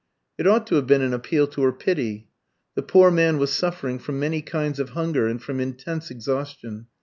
It ought to have been an appeal to her pity. The poor man was suffering from many kinds of hunger, and from intense exhaustion.